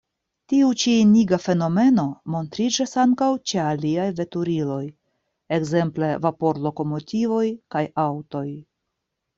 Tiu ĉi iniga fenomeno montriĝas ankaŭ ĉe aliaj veturiloj, ekzemple vapor-lokomotivoj kaj aŭtoj.